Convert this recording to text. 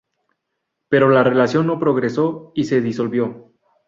Pero la relación no progresó y se disolvió.